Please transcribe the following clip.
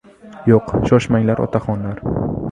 — Yo‘q, shoshmanglar, otaxonlar.